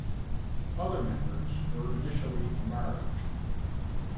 Other members were initially Marg.